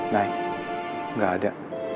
naya gak ada